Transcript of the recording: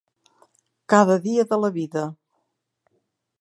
Cada dia de la vida.